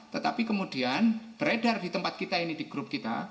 tetapi kemudian beredar di tempat kita ini di grup kita